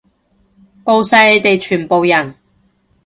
吿晒你哋全部人！